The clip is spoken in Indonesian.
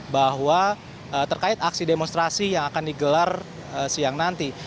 bahwa terkait aksi demonstrasi yang akan digelar siang nanti